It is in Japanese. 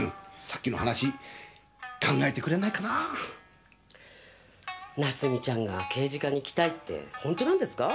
さっきの話考えてくれないかな奈津美ちゃんが刑事課に来たいってほんとなんですか？